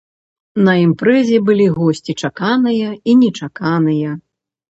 На імпрэзе былі госці чаканыя і нечаканыя.